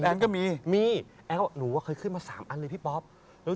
แต่เขาตัดได้มั้ยอันนี้อย่างนี้อย่างนี้อย่างนี้